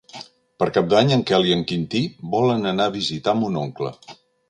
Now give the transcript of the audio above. Per Cap d'Any en Quel i en Quintí volen anar a visitar mon oncle.